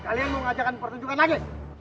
kalian mau ngajarkan pertunjukan lagi